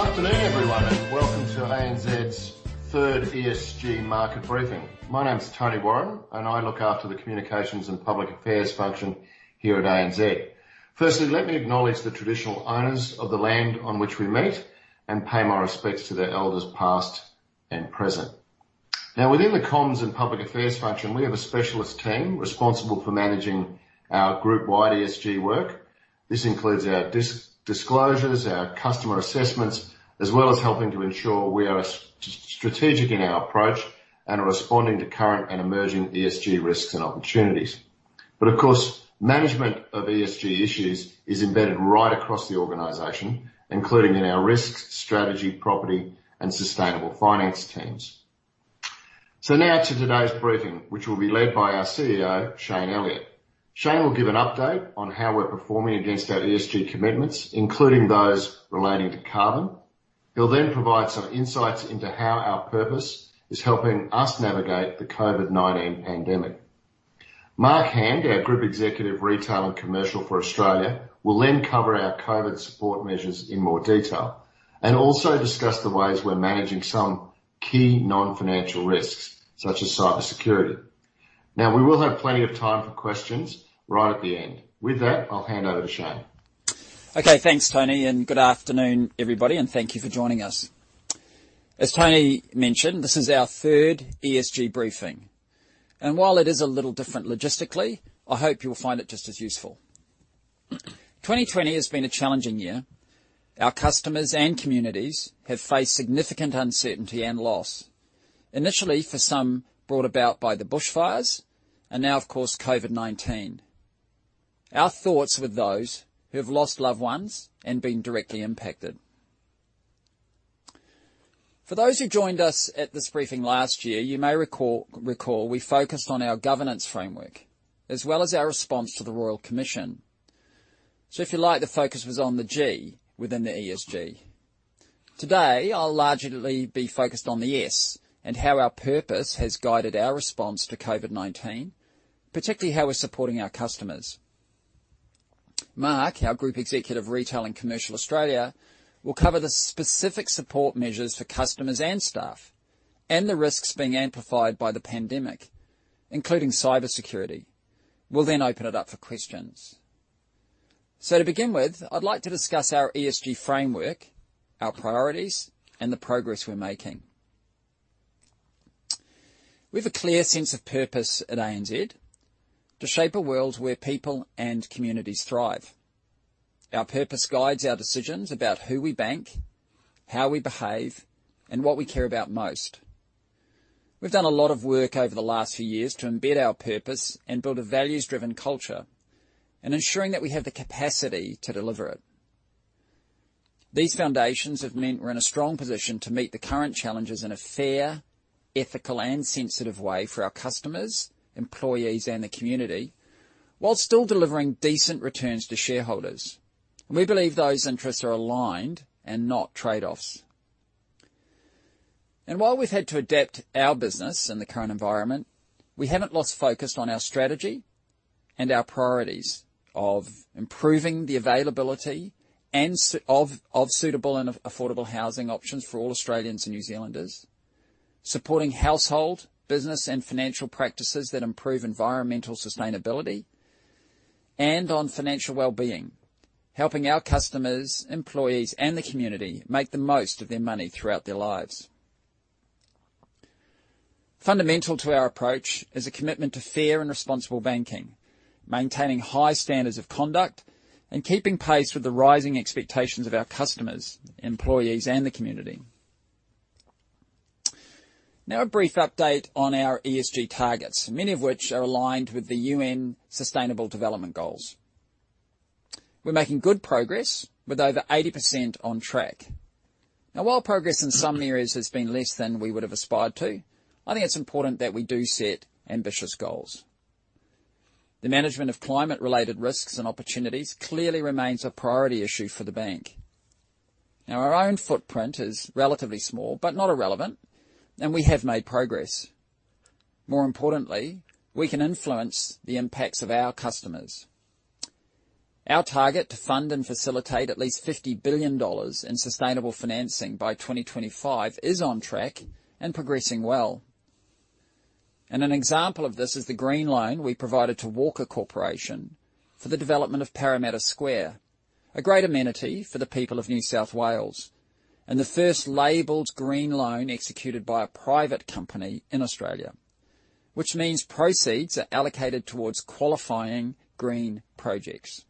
Good afternoon, everyone, and welcome to ANZ's third ESG market briefing. My name's Tony Warren, and I look after the communications and public affairs function here at ANZ. Firstly, let me acknowledge the traditional owners of the land on which we meet and pay my respects to their elders past and present. Now, within the comms and public affairs function, we have a specialist team responsible for managing our group-wide ESG work. This includes our disclosures, our customer assessments, as well as helping to ensure we are strategic in our approach and are responding to current and emerging ESG risks and opportunities. But, of course, management of ESG issues is embedded right across the organization, including in our risk, strategy, property, and sustainable finance teams. So now to today's briefing, which will be led by our CEO, Shayne Elliott. Shayne will give an update on how we're performing against our ESG commitments, including those relating to carbon. He'll then provide some insights into how our purpose is helping us navigate the COVID-19 pandemic. Mark Hand, our Group Executive Retail and Commercial for Australia, will then cover our COVID support measures in more detail and also discuss the ways we're managing some key non-financial risks, such as cybersecurity. Now, we will have plenty of time for questions right at the end. With that, I'll hand over to Shayne. Okay, thanks, Tony, and good afternoon, everybody, and thank you for joining us. As Tony mentioned, this is our third ESG briefing, and while it is a little different logistically, I hope you'll find it just as useful. 2020 has been a challenging year. Our customers and communities have faced significant uncertainty and loss, initially for some brought about by the bushfires and now, of course, COVID-19. Our thoughts are with those who have lost loved ones and been directly impacted. For those who joined us at this briefing last year, you may recall we focused on our governance framework as well as our response to the Royal Commission. So if you like, the focus was on the G within the ESG. Today, I'll largely be focused on the S and how our purpose has guided our response to COVID-19, particularly how we're supporting our customers. Mark, our Group Executive Retail and Commercial Australia, will cover the specific support measures for customers and staff and the risks being amplified by the pandemic, including cybersecurity. We'll then open it up for questions. So to begin with, I'd like to discuss our ESG framework, our priorities, and the progress we're making. We have a clear sense of purpose at ANZ to shape a world where people and communities thrive. Our purpose guides our decisions about who we bank, how we behave, and what we care about most. We've done a lot of work over the last few years to embed our purpose and build a values-driven culture, ensuring that we have the capacity to deliver it. These foundations have meant we're in a strong position to meet the current challenges in a fair, ethical, and sensitive way for our customers, employees, and the community while still delivering decent returns to shareholders. We believe those interests are aligned and not trade-offs. And while we've had to adapt our business in the current environment, we haven't lost focus on our strategy and our priorities of improving the availability of suitable and affordable housing options for all Australians and New Zealanders, supporting household, business, and financial practices that improve environmental sustainability, and on financial well-being, helping our customers, employees, and the community make the most of their money throughout their lives. Fundamental to our approach is a commitment to fair and responsible banking, maintaining high standards of conduct, and keeping pace with the rising expectations of our customers, employees, and the community. Now, a brief update on our ESG targets, many of which are aligned with the UN Sustainable Development Goals. We're making good progress with over 80% on track. Now, while progress in some areas has been less than we would have aspired to, I think it's important that we do set ambitious goals. The management of climate-related risks and opportunities clearly remains a priority issue for the bank. Now, our own footprint is relatively small but not irrelevant, and we have made progress. More importantly, we can influence the impacts of our customers. Our target to fund and facilitate at least 50 billion dollars in sustainable financing by 2025 is on track and progressing well. An example of this is the green loan we provided to Walker Corporation for the development of Parramatta Square, a great amenity for the people of New South Wales and the first labelled green loan executed by a private company in Australia, which means proceeds are allocated towards qualifying green projects.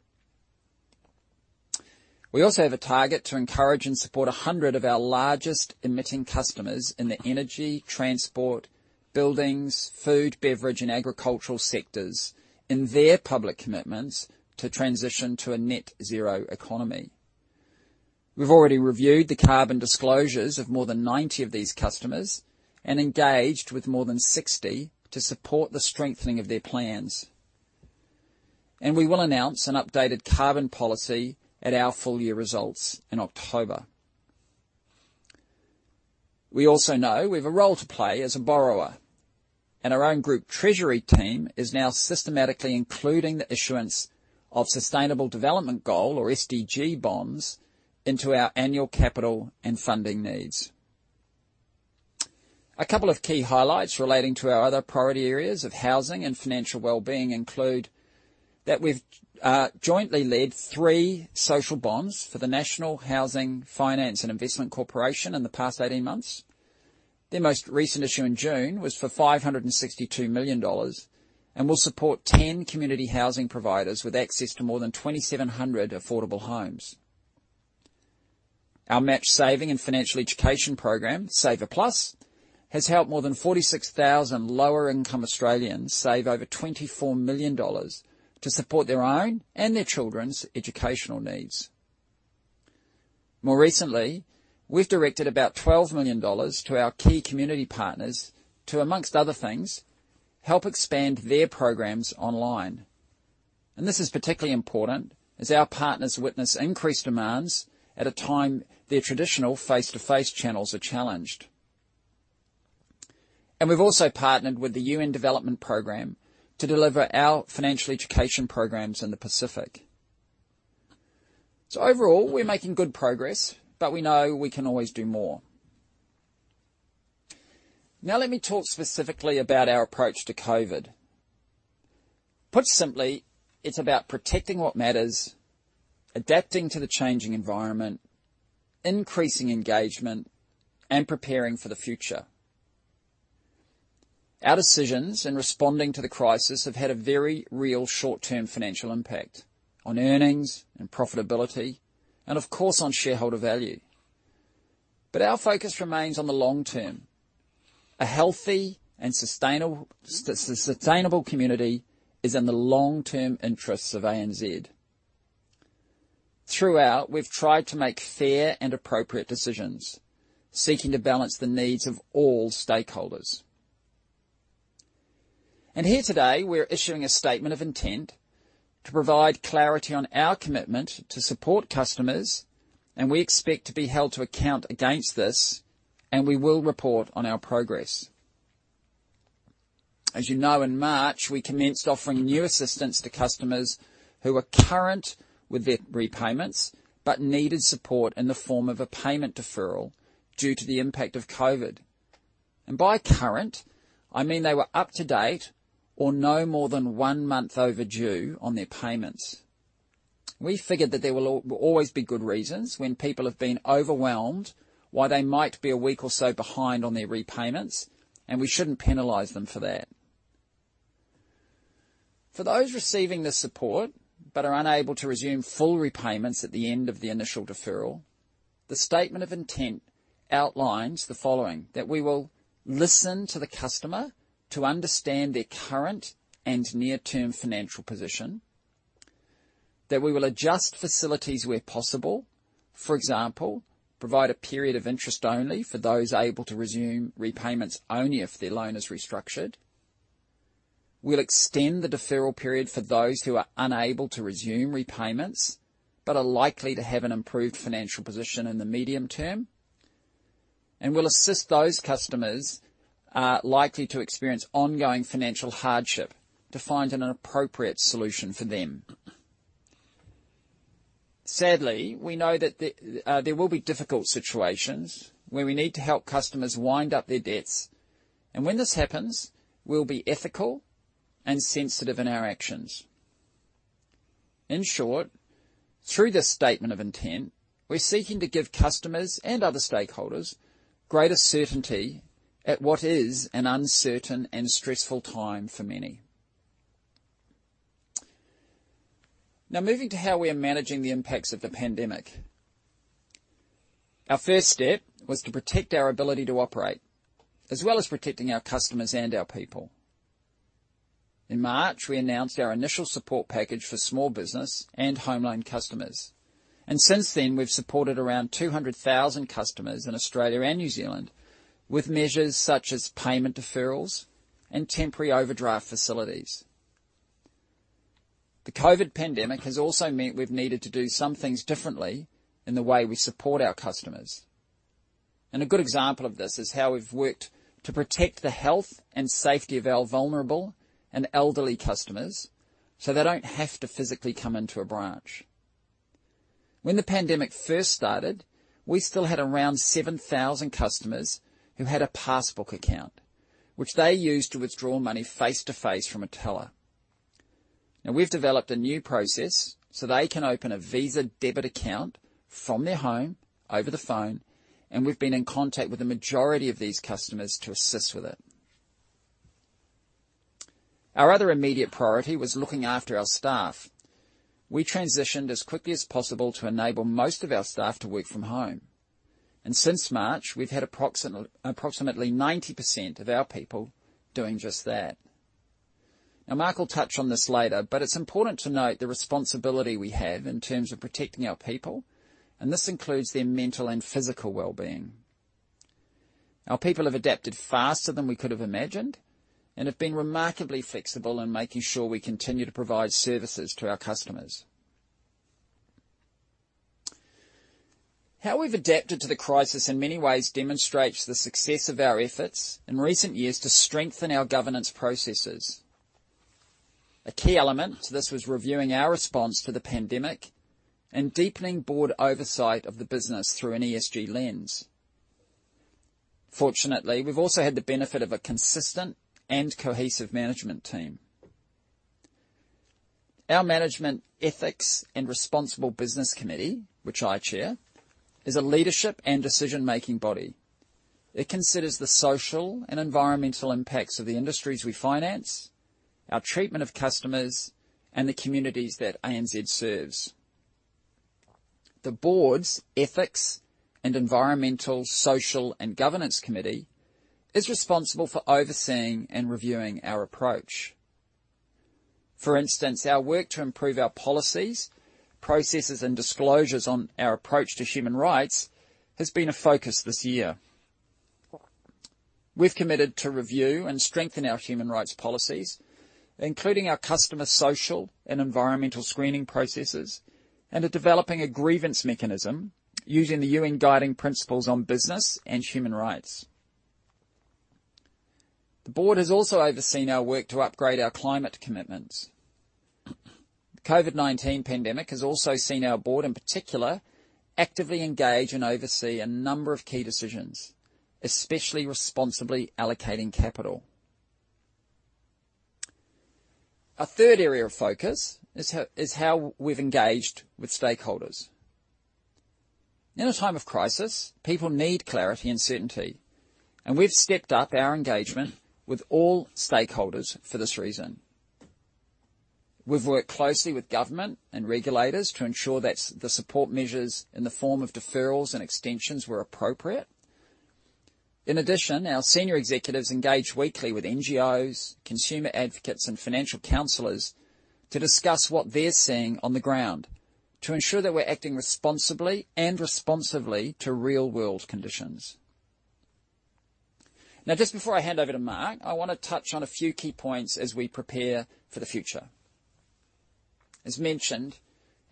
We also have a target to encourage and support 100 of our largest emitting customers in the energy, transport, buildings, food, beverage, and agricultural sectors in their public commitments to transition to a net-zero economy. We've already reviewed the carbon disclosures of more than 90 of these customers and engaged with more than 60 to support the strengthening of their plans. We will announce an updated carbon policy at our full-year results in October. We also know we have a role to play as a borrower, and our own group treasury team is now systematically including the issuance of Sustainable Development Goal, or SDG, bonds into our annual capital and funding needs. A couple of key highlights relating to our other priority areas of housing and financial well-being include that we've jointly led three social bonds for the National Housing Finance and Investment Corporation in the past 18 months. Their most recent issue in June was for 562 million dollars and will support 10 community housing providers with access to more than 2,700 affordable homes. Our matched saving and financial education program, Saver Plus, has helped more than 46,000 lower-income Australians save over 24 million dollars to support their own and their children's educational needs. More recently, we've directed about 12 million dollars to our key community partners to, amongst other things, help expand their programs online. And this is particularly important as our partners witness increased demands at a time their traditional face-to-face channels are challenged. And we've also partnered with the UN Development Program to deliver our financial education programs in the Pacific. So overall, we're making good progress, but we know we can always do more. Now, let me talk specifically about our approach to COVID. Put simply, it's about protecting what matters, adapting to the changing environment, increasing engagement, and preparing for the future. Our decisions in responding to the crisis have had a very real short-term financial impact on earnings and profitability and, of course, on shareholder value. But our focus remains on the long-term. A healthy and sustainable community is in the long-term interests of ANZ. Throughout, we've tried to make fair and appropriate decisions, seeking to balance the needs of all stakeholders. And here today, we're issuing a Statement of Intent to provide clarity on our commitment to support customers, and we expect to be held to account against this, and we will report on our progress. As you know, in March, we commenced offering new assistance to customers who were current with their repayments but needed support in the form of a payment deferral due to the impact of COVID. And by current, I mean they were up to date or no more than one month overdue on their payments. We figured that there will always be good reasons when people have been overwhelmed why they might be a week or so behind on their repayments, and we shouldn't penalize them for that. For those receiving the support but are unable to resume full repayments at the end of the initial deferral, the Statement of Intent outlines the following: that we will listen to the customer to understand their current and near-term financial position, that we will adjust facilities where possible, for example, provide a period of interest only for those able to resume repayments only if their loan is restructured, we'll extend the deferral period for those who are unable to resume repayments but are likely to have an improved financial position in the medium term, and we'll assist those customers likely to experience ongoing financial hardship to find an appropriate solution for them. Sadly, we know that there will be difficult situations where we need to help customers wind up their debts, and when this happens, we'll be ethical and sensitive in our actions. In short, through this statement of intent, we're seeking to give customers and other stakeholders greater certainty at what is an uncertain and stressful time for many. Now, moving to how we are managing the impacts of the pandemic. Our first step was to protect our ability to operate as well as protecting our customers and our people. In March, we announced our initial support package for small business and home loan customers. And since then, we've supported around 200,000 customers in Australia and New Zealand with measures such as payment deferrals and temporary overdraft facilities. The COVID pandemic has also meant we've needed to do some things differently in the way we support our customers. And a good example of this is how we've worked to protect the health and safety of our vulnerable and elderly customers so they don't have to physically come into a branch. When the pandemic first started, we still had around 7,000 customers who had a passbook account, which they used to withdraw money face-to-face from a teller. Now, we've developed a new process so they can open a Visa debit account from their home over the phone, and we've been in contact with the majority of these customers to assist with it. Our other immediate priority was looking after our staff. We transitioned as quickly as possible to enable most of our staff to work from home, and since March, we've had approximately 90% of our people doing just that. Now, Mark will touch on this later, but it's important to note the responsibility we have in terms of protecting our people, and this includes their mental and physical well-being. Our people have adapted faster than we could have imagined and have been remarkably flexible in making sure we continue to provide services to our customers. How we've adapted to the crisis in many ways demonstrates the success of our efforts in recent years to strengthen our governance processes. A key element to this was reviewing our response to the pandemic and deepening board oversight of the business through an ESG lens. Fortunately, we've also had the benefit of a consistent and cohesive management team. Our Management Ethics and Responsible Business Committee, which I chair, is a leadership and decision-making body. It considers the social and environmental impacts of the industries we finance, our treatment of customers, and the communities that ANZ serves. The Board's Ethics and Environmental, Social, and Governance Committee is responsible for overseeing and reviewing our approach. For instance, our work to improve our policies, processes, and disclosures on our approach to human rights has been a focus this year. We've committed to review and strengthen our human rights policies, including our customer social and environmental screening processes and developing a grievance mechanism using the UN Guiding Principles on Business and Human Rights. The Board has also overseen our work to upgrade our climate commitments. The COVID-19 pandemic has also seen our Board, in particular, actively engage and oversee a number of key decisions, especially responsibly allocating capital. Our third area of focus is how we've engaged with stakeholders. In a time of crisis, people need clarity and certainty, and we've stepped up our engagement with all stakeholders for this reason. We've worked closely with government and regulators to ensure that the support measures in the form of deferrals and extensions were appropriate. In addition, our senior executives engage weekly with NGOs, consumer advocates, and financial counselors to discuss what they're seeing on the ground to ensure that we're acting responsibly and responsively to real-world conditions. Now, just before I hand over to Mark, I want to touch on a few key points as we prepare for the future. As mentioned,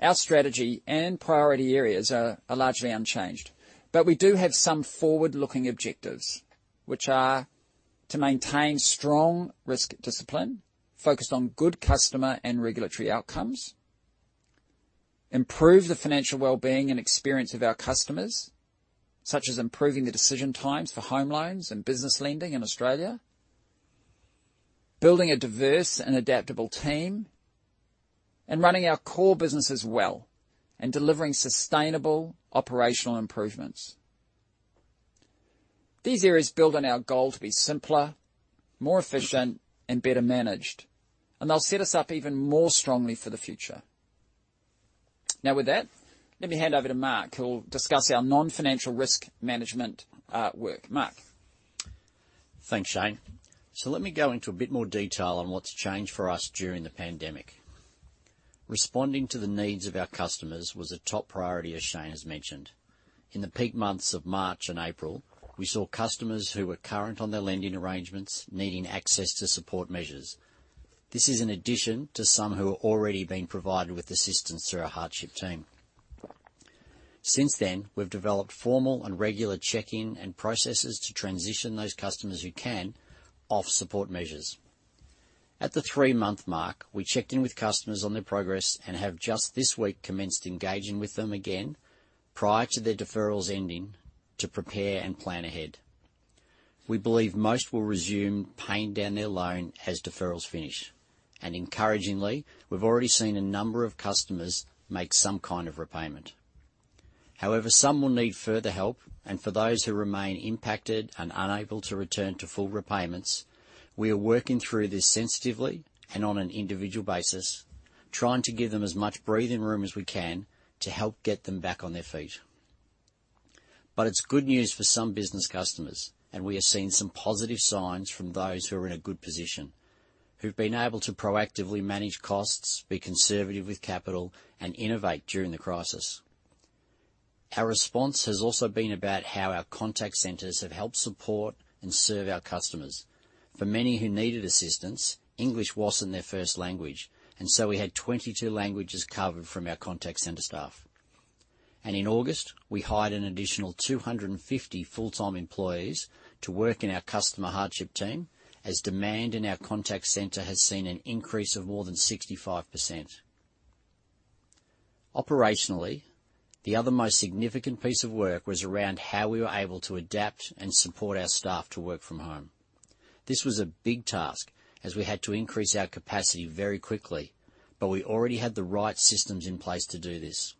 our strategy and priority areas are largely unchanged, but we do have some forward-looking objectives, which are to maintain strong risk discipline focused on good customer and regulatory outcomes, improve the financial well-being and experience of our customers, such as improving the decision times for home loans and business lending in Australia, building a diverse and adaptable team, and running our core businesses well and delivering sustainable operational improvements. These areas build on our goal to be simpler, more efficient, and better managed, and they'll set us up even more strongly for the future. Now, with that, let me hand over to Mark, who will discuss our non-financial risk management work. Mark. Thanks, Shayne. So let me go into a bit more detail on what's changed for us during the pandemic. Responding to the needs of our customers was a top priority, as Shayne has mentioned. In the peak months of March and April, we saw customers who were current on their lending arrangements needing access to support measures. This is in addition to some who have already been provided with assistance through our hardship team. Since then, we've developed formal and regular check-in and processes to transition those customers who can off support measures. At the three-month mark, we checked in with customers on their progress and have just this week commenced engaging with them again prior to their deferrals ending to prepare and plan ahead. We believe most will resume paying down their loan as deferrals finish, and encouragingly, we've already seen a number of customers make some kind of repayment. However, some will need further help, and for those who remain impacted and unable to return to full repayments, we are working through this sensitively and on an individual basis, trying to give them as much breathing room as we can to help get them back on their feet, but it's good news for some business customers, and we have seen some positive signs from those who are in a good position, who've been able to proactively manage costs, be conservative with capital, and innovate during the crisis. Our response has also been about how our contact centres have helped support and serve our customers. For many who needed assistance, English wasn't their first language, and so we had 22 languages covered from our contact centre staff, and in August, we hired an additional 250 full-time employees to work in our customer hardship team as demand in our contact centre has seen an increase of more than 65%. Operationally, the other most significant piece of work was around how we were able to adapt and support our staff to work from home. This was a big task as we had to increase our capacity very quickly, but we already had the right systems in place to do this.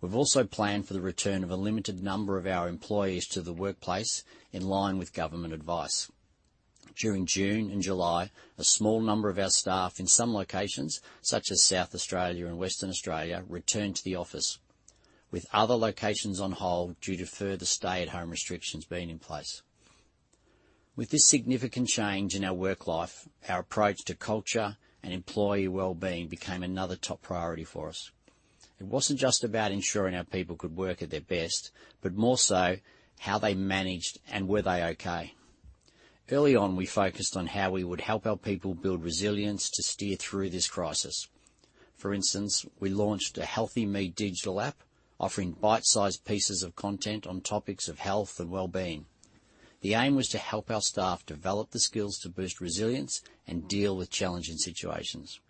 We've also planned for the return of a limited number of our employees to the workplace in line with government advice. During June and July, a small number of our staff in some locations, such as South Australia and Western Australia, returned to the office, with other locations on hold due to further stay-at-home restrictions being in place. With this significant change in our work life, our approach to culture and employee well-being became another top priority for us. It wasn't just about ensuring our people could work at their best, but more so how they managed and were they okay. Early on, we focused on how we would help our people build resilience to steer through this crisis. For instance, we launched a HealthyMe digital app offering bite-sized pieces of content on topics of health and well-being. The aim was to help our staff develop the skills to boost resilience and deal with challenging situations.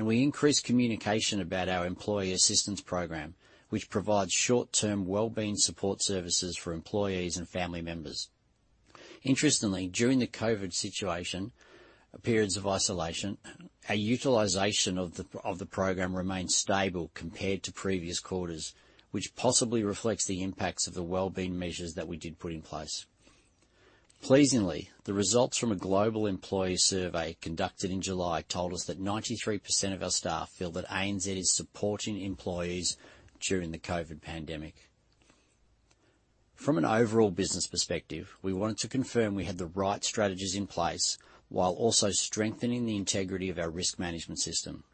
We increased communication about our Employee Assistance Program, which provides short-term well-being support services for employees and family members. Interestingly, during the COVID situation, periods of isolation, our utilization of the program remained stable compared to previous quarters, which possibly reflects the impacts of the well-being measures that we did put in place. Pleasingly, the results from a global employee survey conducted in July told us that 93% of our staff feel that ANZ is supporting employees during the COVID pandemic. From an overall business perspective, we wanted to confirm we had the right strategies in place while also strengthening the integrity of our risk management system.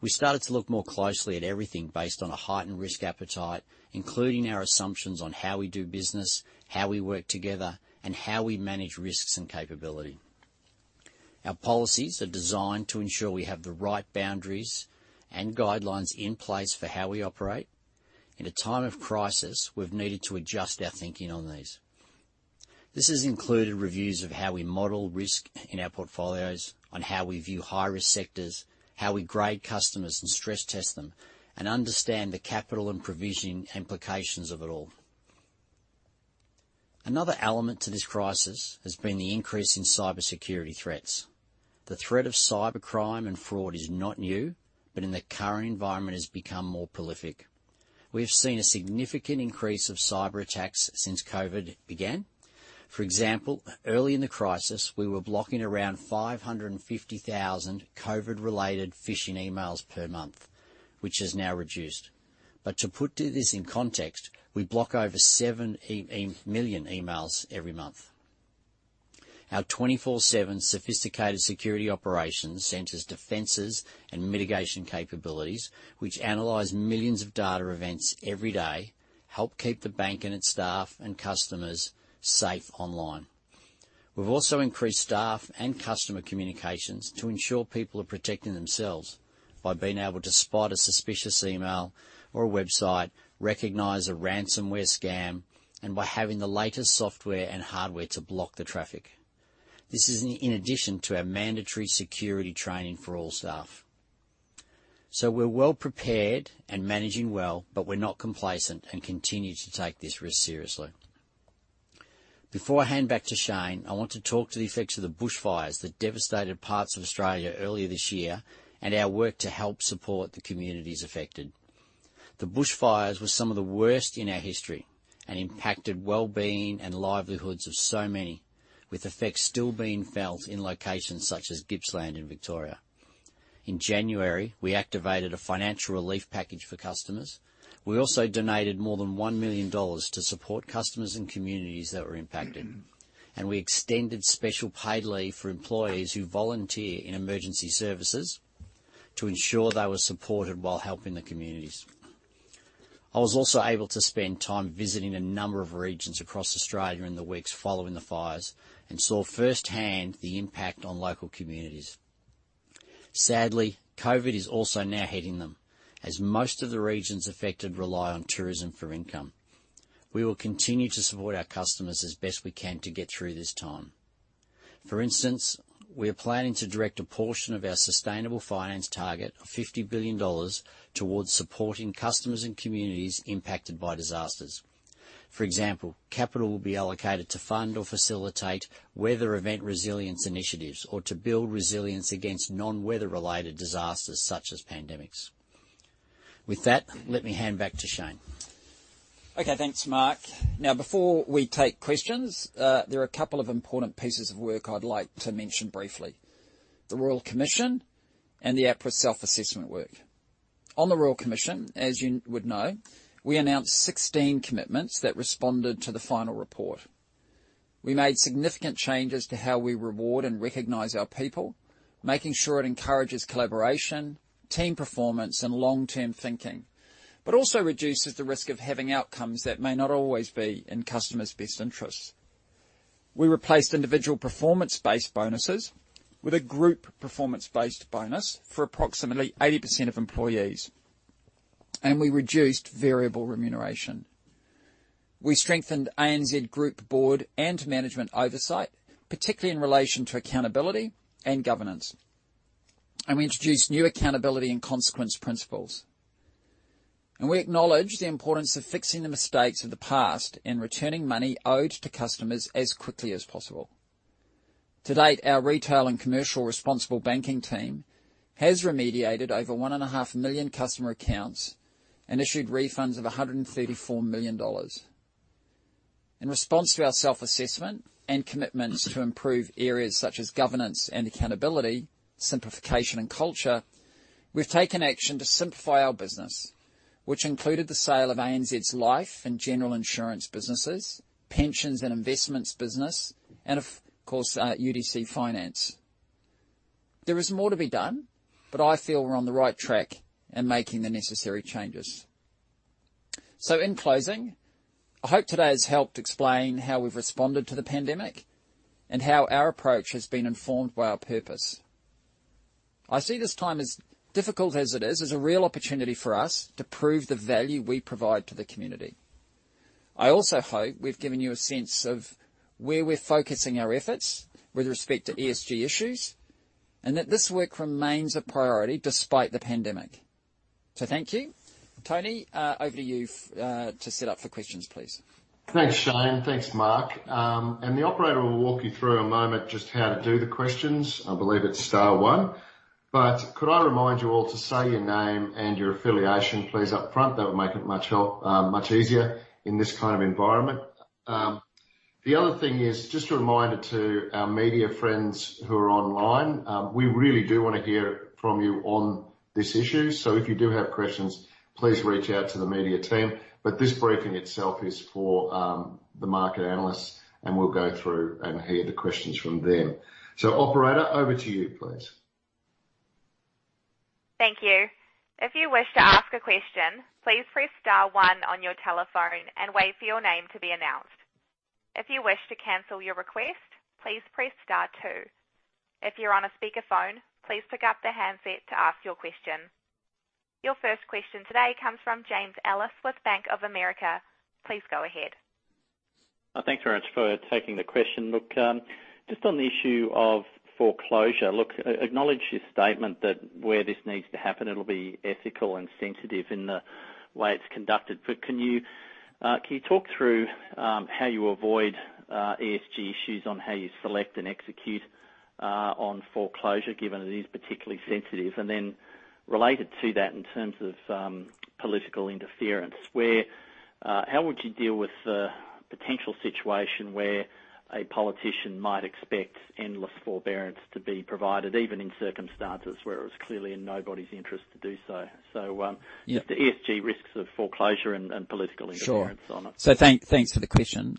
We started to look more closely at everything based on a heightened risk appetite, including our assumptions on how we do business, how we work together, and how we manage risks and capability. Our policies are designed to ensure we have the right boundaries and guidelines in place for how we operate. In a time of crisis, we've needed to adjust our thinking on these. This has included reviews of how we model risk in our portfolios, on how we view high-risk sectors, how we grade customers and stress-test them, and understand the capital and provision implications of it all. Another element to this crisis has been the increase in cybersecurity threats. The threat of cybercrime and fraud is not new, but in the current environment, it has become more prolific. We have seen a significant increase of cyberattacks since COVID began. For example, early in the crisis, we were blocking around 550,000 COVID-related phishing emails per month, which has now reduced, but to put this in context, we block over 7 million emails every month. Our 24/7 sophisticated security operations centers defenses and mitigation capabilities, which analyze millions of data events every day, help keep the bank and its staff and customers safe online. We've also increased staff and customer communications to ensure people are protecting themselves by being able to spot a suspicious email or a website, recognize a ransomware scam, and by having the latest software and hardware to block the traffic. This is in addition to our mandatory security training for all staff. So we're well-prepared and managing well, but we're not complacent and continue to take this risk seriously. Before I hand back to Shayne, I want to talk to the effects of the bushfires that devastated parts of Australia earlier this year and our work to help support the communities affected. The bushfires were some of the worst in our history and impacted well-being and livelihoods of so many, with effects still being felt in locations such as Gippsland in Victoria. In January, we activated a financial relief package for customers. We also donated more than 1 million dollars to support customers and communities that were impacted. And we extended special paid leave for employees who volunteer in emergency services to ensure they were supported while helping the communities. I was also able to spend time visiting a number of regions across Australia in the weeks following the fires and saw firsthand the impact on local communities. Sadly, COVID is also now hitting them as most of the regions affected rely on tourism for income. We will continue to support our customers as best we can to get through this time. For instance, we are planning to direct a portion of our sustainable finance target of 50 billion dollars towards supporting customers and communities impacted by disasters. For example, capital will be allocated to fund or facilitate weather event resilience initiatives or to build resilience against non-weather-related disasters such as pandemics. With that, let me hand back to Shayne. Okay. Thanks, Mark. Now, before we take questions, there are a couple of important pieces of work I'd like to mention briefly: the Royal Commission and the APRA self-assessment work. On the Royal Commission, as you would know, we announced 16 commitments that responded to the final report. We made significant changes to how we reward and recognize our people, making sure it encourages collaboration, team performance, and long-term thinking, but also reduces the risk of having outcomes that may not always be in customers' best interests. We replaced individual performance-based bonuses with a group performance-based bonus for approximately 80% of employees, and we reduced variable remuneration. We strengthened ANZ Group Board and management oversight, particularly in relation to accountability and governance. And we introduced new accountability and consequence principles. And we acknowledge the importance of fixing the mistakes of the past and returning money owed to customers as quickly as possible. To date, our retail and commercial responsible banking team has remediated over 1.5 million customer accounts and issued refunds of 134 million dollars. In response to our self-assessment and commitments to improve areas such as governance and accountability, simplification, and culture, we've taken action to simplify our business, which included the sale of ANZ's life and general insurance businesses, pensions and investments business, and of course, UDC Finance. There is more to be done, but I feel we're on the right track in making the necessary changes. So in closing, I hope today has helped explain how we've responded to the pandemic and how our approach has been informed by our purpose. I see this time, as difficult as it is, as a real opportunity for us to prove the value we provide to the community. I also hope we've given you a sense of where we're focusing our efforts with respect to ESG issues and that this work remains a priority despite the pandemic. So thank you. Tony, over to you to set up for questions, please. Thanks, Shayne. Thanks, Mark. And the operator will walk you through in a moment just how to do the questions. I believe it's Star one. But could I remind you all to say your name and your affiliation, please, up front? That would make it much easier in this kind of environment. The other thing is just a reminder to our media friends who are online, we really do want to hear from you on this issue. So if you do have questions, please reach out to the media team. But this briefing itself is for the market analysts, and we'll go through and hear the questions from them. So operator, over to you, please. Thank you. If you wish to ask a question, please pres Star one on your telephone and wait for your name to be announced. If you wish to cancel your request, please press Star two. If you're on a speakerphone, please pick up the handset to ask your question. Your first question today comes from James Ellis with Bank of America. Please go ahead. Thanks, Richard, for taking the question. Look, just on the issue of foreclosure, look, I acknowledge your statement that where this needs to happen, it'll be ethical and sensitive in the way it's conducted. But can you talk through how you avoid ESG issues on how you select and execute on foreclosure, given it is particularly sensitive? And then related to that in terms of political interference, how would you deal with the potential situation where a politician might expect endless forbearance to be provided, even in circumstances where it was clearly in nobody's interest to do so? So just the ESG risks of foreclosure and political interference on it. Sure. So thanks for the question.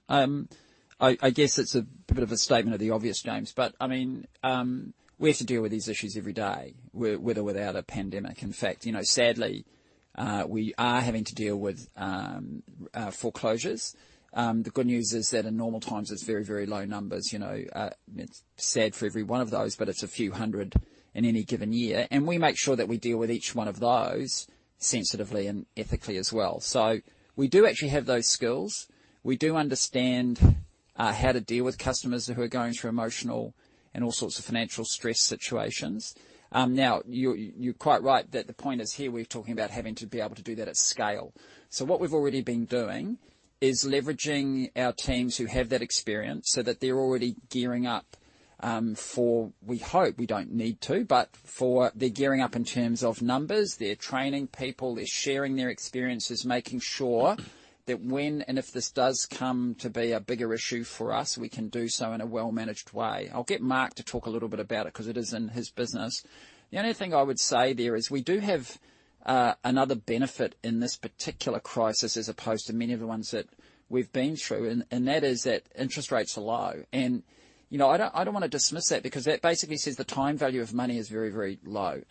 I guess it's a bit of a statement of the obvious, James. But I mean, we have to deal with these issues every day, with or without a pandemic. In fact, sadly, we are having to deal with foreclosures. The good news is that in normal times, it's very, very low numbers. It's sad for every one of those, but it's a few hundred in any given year. And we make sure that we deal with each one of those sensitively and ethically as well. So we do actually have those skills. We do understand how to deal with customers who are going through emotional and all sorts of financial stress situations. Now, you're quite right that the point is here we're talking about having to be able to do that at scale. So what we've already been doing is leveraging our teams who have that experience so that they're already gearing up for, we hope we don't need to, but they're gearing up in terms of numbers. They're training people. They're sharing their experiences, making sure that when and if this does come to be a bigger issue for us, we can do so in a well-managed way. I'll get Mark to talk a little bit about it because it is in his business. The only thing I would say there is we do have another benefit in this particular crisis as opposed to many of the ones that we've been through, and that is that interest rates are low. And I don't want to dismiss that because that basically says the time value of money is very, very low.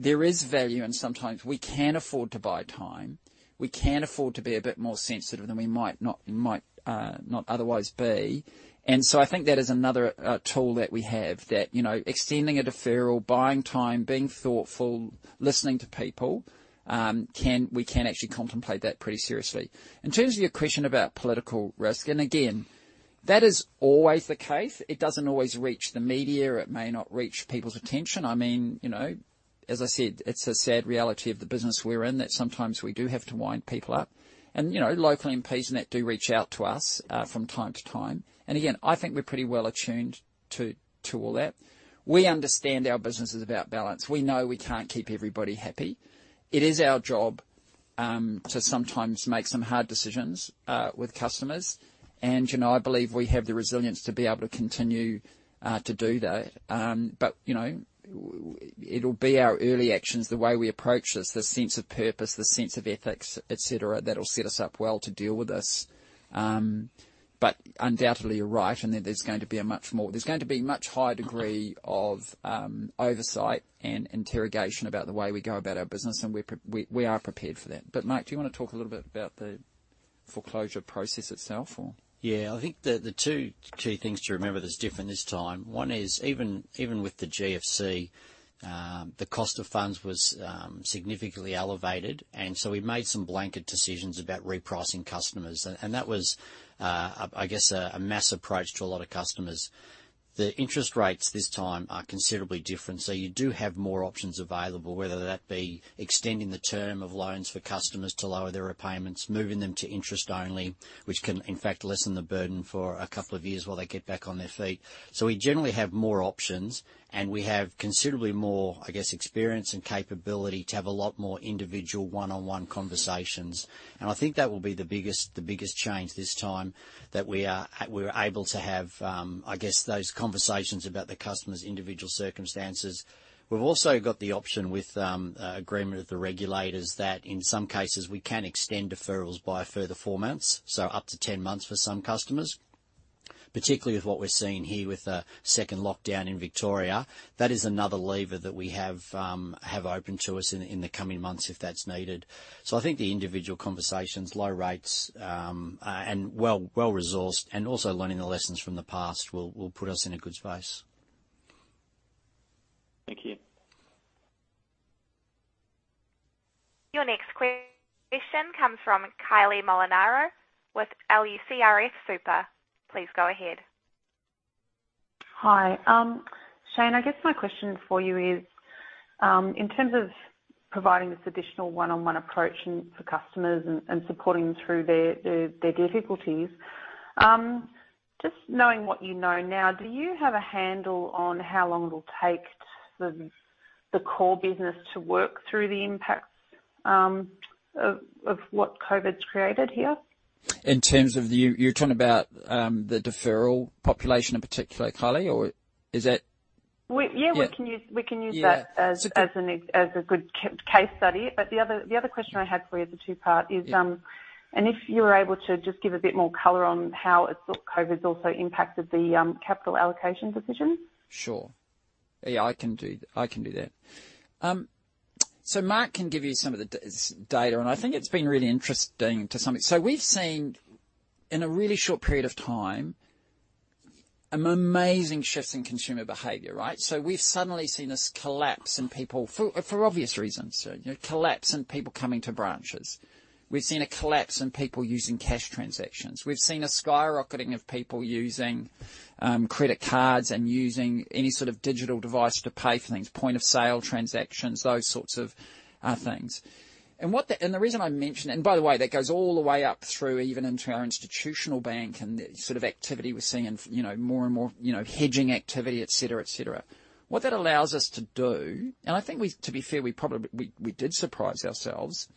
There is value in sometimes we can afford to buy time. We can afford to be a bit more sensitive than we might not otherwise be. And so I think that is another tool that we have, extending a deferral, buying time, being thoughtful, listening to people. We can actually contemplate that pretty seriously. In terms of your question about political risk, and again, that is always the case. It doesn't always reach the media. It may not reach people's attention. I mean, as I said, it's a sad reality of the business we're in that sometimes we do have to wind people up. And local MPs and that do reach out to us from time to time. And again, I think we're pretty well attuned to all that. We understand our business is about balance. We know we can't keep everybody happy. It is our job to sometimes make some hard decisions with customers, and I believe we have the resilience to be able to continue to do that, but it'll be our early actions, the way we approach this, the sense of purpose, the sense of ethics, etc., that'll set us up well to deal with this, but undoubtedly, you're right, and there's going to be a much higher degree of oversight and interrogation about the way we go about our business, and we are prepared for that. But Mark, do you want to talk a little bit about the foreclosure process itself, or? Yeah. I think the two things to remember that's different this time. One is even with the GFC, the cost of funds was significantly elevated, and so we made some blanket decisions about repricing customers. That was, I guess, a mass approach to a lot of customers. The interest rates this time are considerably different. You do have more options available, whether that be extending the term of loans for customers to lower their repayments, moving them to interest only, which can, in fact, lessen the burden for a couple of years while they get back on their feet. We generally have more options, and we have considerably more, I guess, experience and capability to have a lot more individual one-on-one conversations. I think that will be the biggest change this time that we are able to have, I guess, those conversations about the customer's individual circumstances. We've also got the option with agreement of the regulators that in some cases, we can extend deferrals by further four months, so up to 10 months for some customers, particularly with what we're seeing here with the second lockdown in Victoria. That is another lever that we have open to us in the coming months if that's needed. So I think the individual conversations, low rates, and well-resourced, and also learning the lessons from the past will put us in a good space. Thank you. Your next question comes from Kylie Molinaro with LUCRF Super. Please go ahead. Hi. Shayne, I guess my question for you is in terms of providing this additional one-on-one approach for customers and supporting them through their difficulties, just knowing what you know now, do you have a handle on how long it'll take the core business to work through the impacts of what COVID's created here? In terms of you're talking about the deferral population in particular, Kylie, or is that? Yeah. We can use that as a good case study. But the other question I had for you, the two-part, is if you were able to just give a bit more color on how COVID's also impacted the capital allocation decision. Sure. Yeah. I can do that. So Mark can give you some of the data. And I think it's been really interesting to some extent. So we've seen in a really short period of time an amazing shift in consumer behavior, right? So we've suddenly seen this collapse in people for obvious reasons, collapse in people coming to branches. We've seen a collapse in people using cash transactions. We've seen a skyrocketing of people using credit cards and using any sort of digital device to pay for things, point-of-sale transactions, those sorts of things. And the reason I mentioned and by the way, that goes all the way up through even into our institutional bank and the sort of activity we're seeing in more and more hedging activity, etc., etc. What that allows us to do, and I think to be fair, we did surprise ourselves.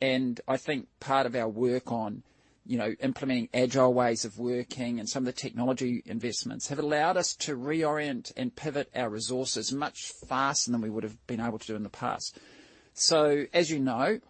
And I think part of our work on implementing agile ways of working and some of the technology investments have allowed us to reorient and pivot our resources much faster than we would have been able to do in the past. So as you know,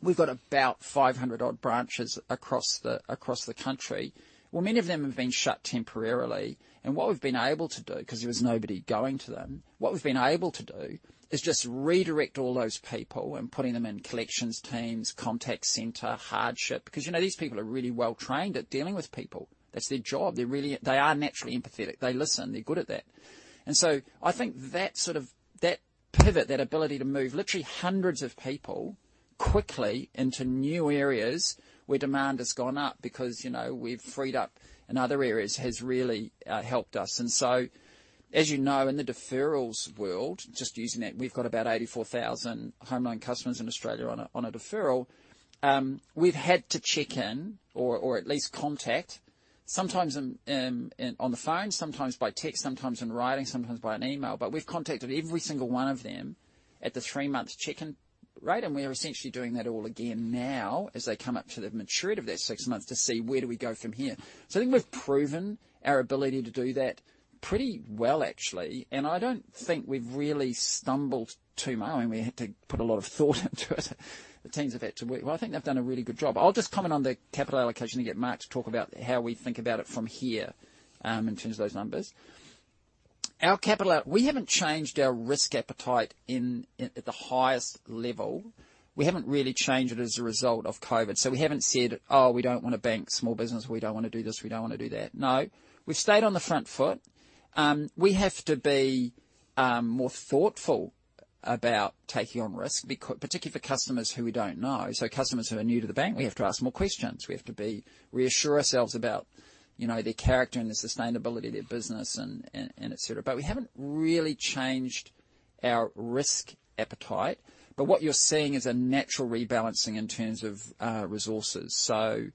we've got about 500-odd branches across the country. Well, many of them have been shut temporarily. And because there was nobody going to them, what we've been able to do is just redirect all those people and putting them in collections teams, contact center, hardship. Because these people are really well-trained at dealing with people. That's their job. They are naturally empathetic. They listen. They're good at that. And so I think that sort of pivot, that ability to move literally hundreds of people quickly into new areas where demand has gone up because we've freed up in other areas has really helped us. And so as you know, in the deferrals world, just using that, we've got about 84,000 home loan customers in Australia on a deferral. We've had to check in or at least contact, sometimes on the phone, sometimes by text, sometimes in writing, sometimes by an email. But we've contacted every single one of them at the three-month check-in rate. And we're essentially doing that all again now as they come up to the maturity of their six months to see where do we go from here. So I think we've proven our ability to do that pretty well, actually. And I don't think we've really stumbled too much. I mean, we had to put a lot of thought into it. The teams have had to work. Well, I think they've done a really good job. I'll just comment on the capital allocation and get Mark to talk about how we think about it from here in terms of those numbers. We haven't changed our risk appetite at the highest level. We haven't really changed it as a result of COVID. So we haven't said, "Oh, we don't want to bank small business. We don't want to do this. We don't want to do that." No. We've stayed on the front foot. We have to be more thoughtful about taking on risk, particularly for customers who we don't know. So customers who are new to the bank, we have to ask more questions. We have to reassure ourselves about their character and the sustainability of their business, and etc. But we haven't really changed our risk appetite. But what you're seeing is a natural rebalancing in terms of resources. So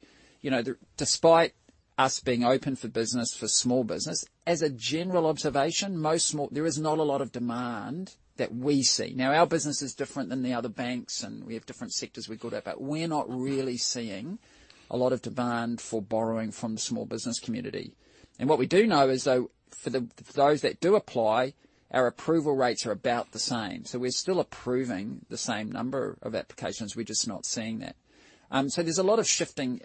despite us being open for business, for small business, as a general observation, there is not a lot of demand that we see. Now, our business is different than the other banks, and we have different sectors we're good at. But we're not really seeing a lot of demand for borrowing from the small business community. And what we do know is though, for those that do apply, our approval rates are about the same. So we're still approving the same number of applications. We're just not seeing that. So there's a lot of shifting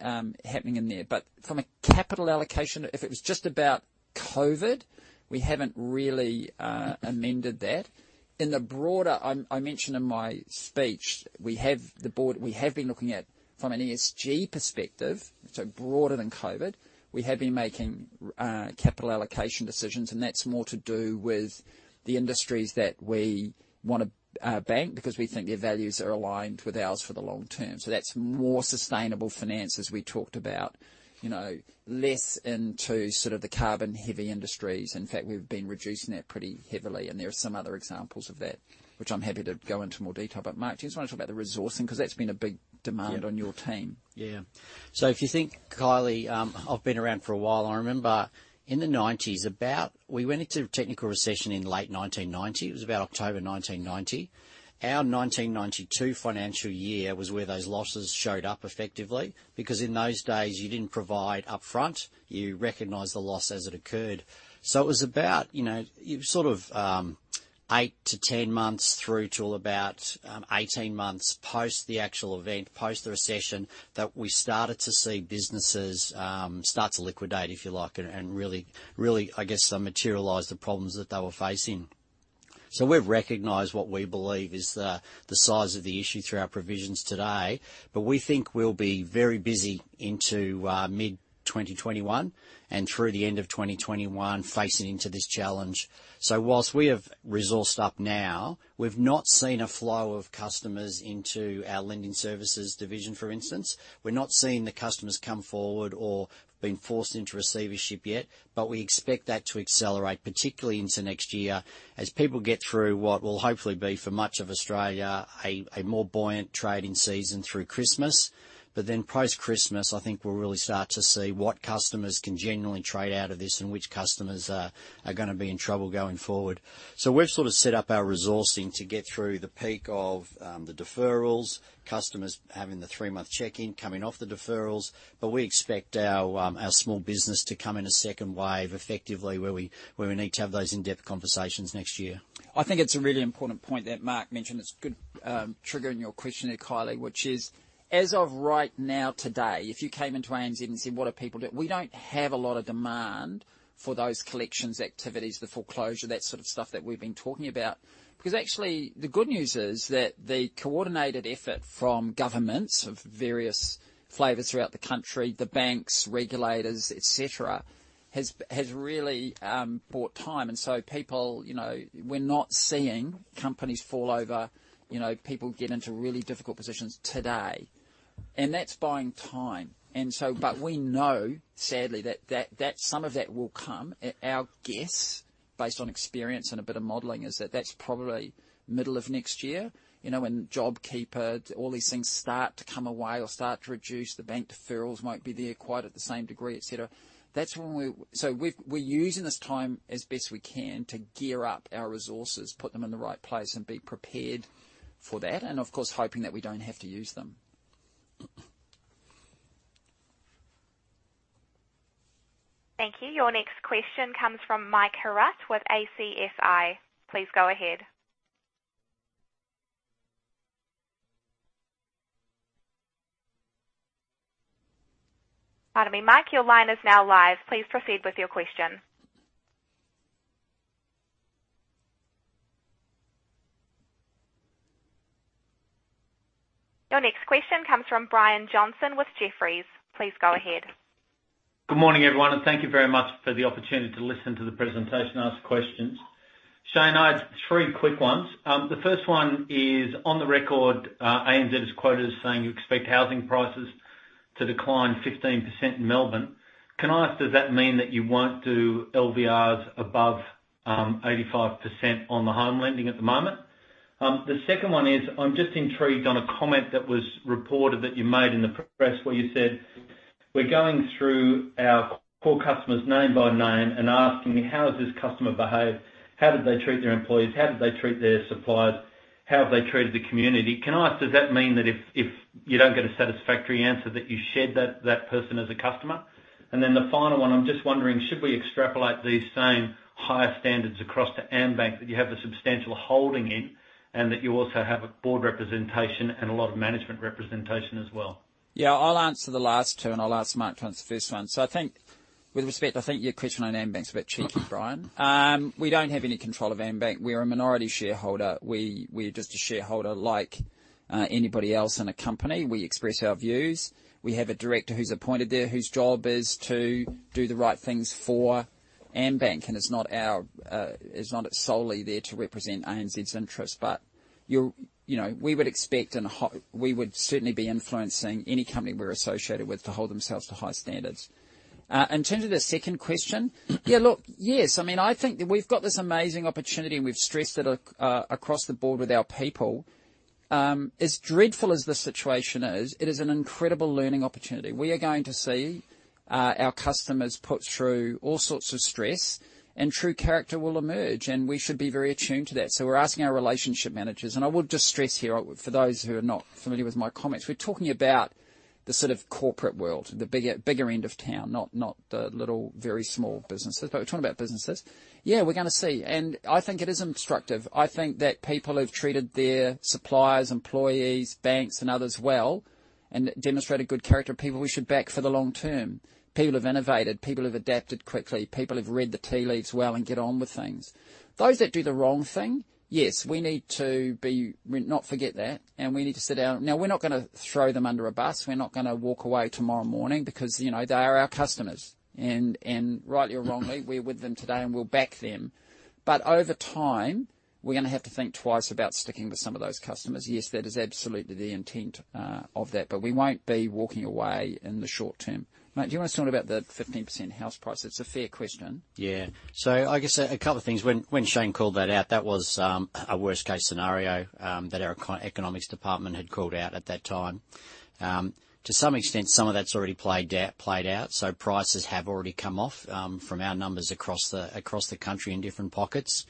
happening in there. But from a capital allocation, if it was just about COVID, we haven't really amended that. In the broader I mentioned in my speech, we have been looking at, from an ESG perspective, so broader than COVID, we have been making capital allocation decisions, and that's more to do with the industries that we want to bank because we think their values are aligned with ours for the long-term. So that's more sustainable finance, as we talked about, less into sort of the carbon-heavy industries. In fact, we've been reducing that pretty heavily, and there are some other examples of that, which I'm happy to go into more detail, but Mark, do you just want to talk about the resourcing? Because that's been a big demand on your team. Yeah, so if you think, Kylie, I've been around for a while. I remember in the 1990s, we went into a technical recession in late 1990. It was about October 1990. Our 1992 financial year was where those losses showed up effectively. Because in those days, you didn't provide upfront. You recognized the loss as it occurred. So it was about sort of eight to 10 months through to about 18 months post the actual event, post the recession, that we started to see businesses start to liquidate, if you like, and really, I guess, materialize the problems that they were facing. So we've recognized what we believe is the size of the issue through our provisions today. But we think we'll be very busy into mid-2021 and through the end of 2021 facing into this challenge. So whilst we have resourced up now, we've not seen a flow of customers into our lending services division, for instance. We're not seeing the customers come forward or being forced into receivership yet. But we expect that to accelerate, particularly into next year, as people get through what will hopefully be, for much of Australia, a more buoyant trading season through Christmas. But then post-Christmas, I think we'll really start to see what customers can genuinely trade out of this and which customers are going to be in trouble going forward. So we've sort of set up our resourcing to get through the peak of the deferrals, customers having the three-month check-in, coming off the deferrals. But we expect our small business to come in a second wave effectively where we need to have those in-depth conversations next year. I think it's a really important point that Mark mentioned. It's good triggering your question there, Kylie, which is, as of right now today, if you came into ANZ and said, "What are people doing?" We don't have a lot of demand for those collections activities, the foreclosure, that sort of stuff that we've been talking about. Because actually, the good news is that the coordinated effort from governments of various flavors throughout the country, the banks, regulators, etc., has really bought time. And so people, we're not seeing companies fall over. People get into really difficult positions today. And that's buying time. But we know, sadly, that some of that will come. Our guess, based on experience and a bit of modeling, is that that's probably middle of next year when JobKeeper, all these things start to come away or start to reduce. The bank deferrals won't be there quite at the same degree, etc. That's when we're using this time as best we can to gear up our resources, put them in the right place, and be prepared for that, and of course, hoping that we don't have to use them. Thank you. Your next question comes from Mike Hiriart with ACSI. Please go ahead. Pardon me. Mark, your line is now live. Please proceed with your question. Your next question comes from Brian Johnson with Jefferies. Please go ahead. Good morning, everyone, and thank you very much for the opportunity to listen to the presentation and ask questions. Shayne, I had three quick ones. The first one is, on the record, ANZ has quoted as saying you expect housing prices to decline 15% in Melbourne. Can I ask, does that mean that you won't do LVRs above 85% on the home lending at the moment? The second one is, I'm just intrigued on a comment that was reported that you made in the press where you said, "We're going through our core customers, name by name, and asking how has this customer behaved? How did they treat their employees? How did they treat their suppliers? How have they treated the community?" Can I ask, does that mean that if you don't get a satisfactory answer, that you shed that person as a customer? And then the final one, I'm just wondering, should we extrapolate these same high standards across to AmBank that you have a substantial holding in and that you also have a board representation and a lot of management representation as well? Yeah. I'll answer the last two, and I'll ask Mark to answer the first one. So with respect, I think your question on AmBank's a bit cheeky, Brian. We don't have any control of AmBank. We're a minority shareholder. We're just a shareholder like anybody else in a company. We express our views. We have a director who's appointed there whose job is to do the right things for AmBank, and it's not solely there to represent ANZ's interests, but we would expect and we would certainly be influencing any company we're associated with to hold themselves to high standards. In terms of the second question. Yeah. Look, yes. I mean, I think that we've got this amazing opportunity, and we've stressed it across the board with our people. As dreadful as the situation is, it is an incredible learning opportunity. We are going to see our customers put through all sorts of stress, and true character will emerge, and we should be very attuned to that, so we're asking our relationship managers. And I would just stress here, for those who are not familiar with my comments, we're talking about the sort of corporate world, the bigger end of town, not the little very small businesses. But we're talking about businesses. Yeah. We're going to see. And I think it is instructive. I think that people have treated their suppliers, employees, banks, and others well, and demonstrated good character. People we should back for the long-term. People have innovated. People have adapted quickly. People have read the tea leaves well and get on with things. Those that do the wrong thing, yes, we need to not forget that. And we need to sit down. Now, we're not going to throw them under a bus. We're not going to walk away tomorrow morning because they are our customers. And rightly or wrongly, we're with them today, and we'll back them. But over time, we're going to have to think twice about sticking with some of those customers. Yes, that is absolutely the intent of that. But we won't be walking away in the short-term. Mark, do you want to talk about the 15% house price? It's a fair question. Yeah. So I guess a couple of things. When Shayne called that out, that was a worst-case scenario that our economics department had called out at that time. To some extent, some of that's already played out. So prices have already come off from our numbers across the country in different pockets.